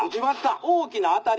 「大きな当たり」。